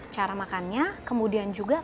cara makannya kemudian juga